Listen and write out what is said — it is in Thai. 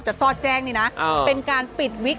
ซอดแจ้งนี่นะเป็นการปิดวิก